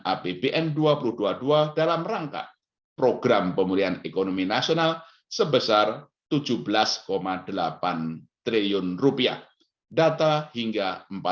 apbn dua ribu dua puluh dua dalam rangka program pemulihan ekonomi nasional sebesar tujuh belas delapan triliun rupiah data hingga